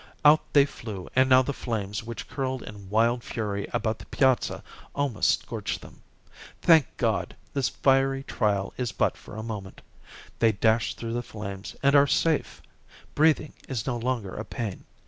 Out they flew, and now the flames which curled in wild fury about the piazza almost scorched them. Thank God, this fiery trial is but for a moment. They dash through the flames, and are safe. Breathing is no longer a pain.